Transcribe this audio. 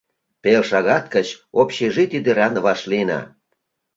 Пел шагат гыч общежитий деран вашлийына.